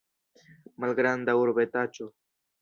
Malgranda urbetaĉo.